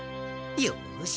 よし。